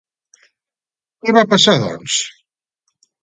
Què va passar doncs?